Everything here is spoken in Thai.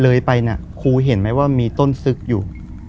เลยไปน่ะครูเห็นไหมว่ามีต้นซึกอยู่